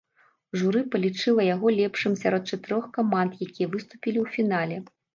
Журы палічыла яго лепшым сярод чатырох каманд, якія выступілі ў фінале.